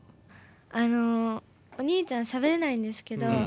あのお兄ちゃんしゃべれないんですけど。